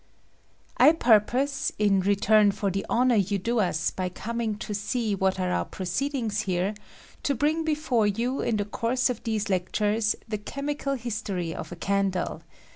I PURPOSE, in return for the honor you do U3 by coming to see what are our proceedings here, to bring before you, in the course of these lectures, the Chemical History of a Can dle.